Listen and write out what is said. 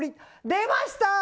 出ました！